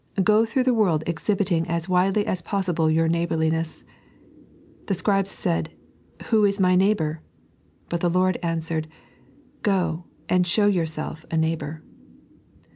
Go through the world exhibiting as widely as possible your neighbourliness. The Scribes said, " Who is my neigh bour? " But the Lord answered, " Go, and show yourself a neighbour."